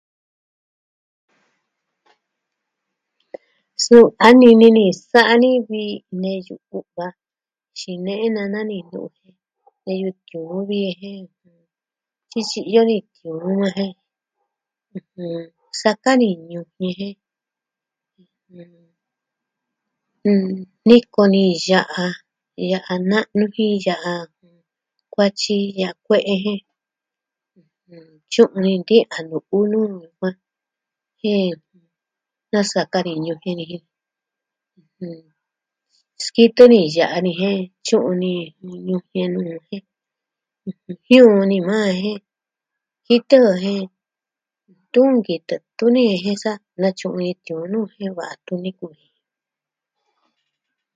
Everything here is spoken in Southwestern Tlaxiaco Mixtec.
Suu a nini ni, sa'a nu vi neyu u'va. Tyinei nana ni jen neyu tiuun vi jin, tyityi'yo ni tiuun ajen... ɨjɨn... saka ni ñujien jen... jɨn, niko ni ya'a, ya'a na'nu jin ya'a kuatyi, ya'a kue'e je tyu'un ni iin tiuun a nu'u nu yukuan jen nasakavi ñujien niji... jɨn... skitɨ ni ya'a ni jen tyu'un ni ñujien lulu jen jiuu ni maa jen jitu jen, tunkitɨ tuni je sa natyu'un ni iin tiuun nuu jen va tuni kuu ji.